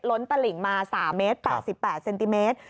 ล้นตะหลิงมา๓เมตร๘๘เซนติเมตร